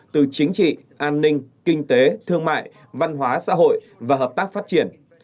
từ chính trị an ninh kinh tế thương mại văn hóa xã hội và hợp tác phát triển